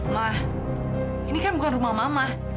wah ini kan bukan rumah mama